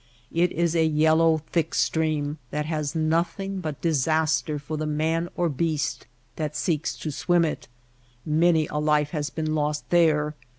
It is a yellow, thick stream that has nothing but disaster for the man or beast that seeks to swim it. Many a life has been lost there.